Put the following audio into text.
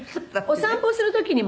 「お散歩する時にもね」